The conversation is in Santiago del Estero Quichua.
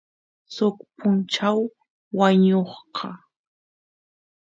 suk punchaw wañusaq